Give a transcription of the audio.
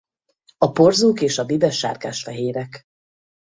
A porzók és a bibe sárgásfehérek.